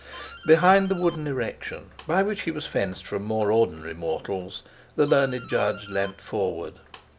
Behind the wooden erection, by which he was fenced from more ordinary mortals, the learned Judge leaned forward.